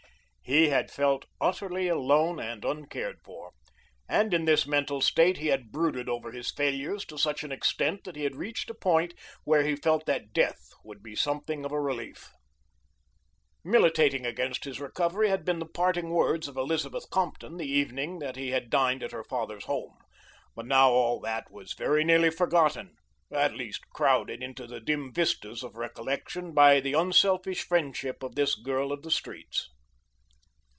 He had felt utterly alone and uncared for, and in this mental state he had brooded over his failures to such an extent that he had reached a point where he felt that death would be something of a relief. Militating against his recovery had been the parting words of Elizabeth Compton the evening that he had dined at her father's home, but now all that was very nearly forgotten at least crowded into the dim vistas of recollection by the unselfish friendship of this girl of the streets.